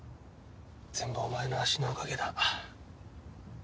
全部お前の足のおかげだ。